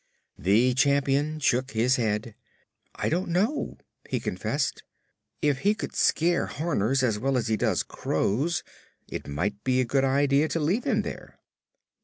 The Champion shook his head. "I don't know," he confessed. "If he could scare Horners as well as he does crows, it might be a good idea to leave him there."